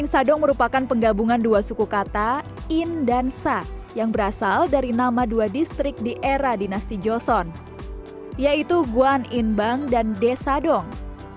insadong merupakan penggabungan dua suku kata in dan sa yang berasal dari nama dua distrik di era dinasti joseon yaitu guan inbang dan desadong